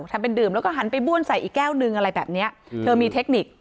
ทำเป็นดื่มแล้วก็หันไปบ้วนใส่อีกแก้วหนึ่งอะไรแบบเนี้ยเธอมีเทคนิค